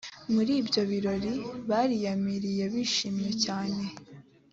muri ibyo birori bariyamiriye bishimye cyane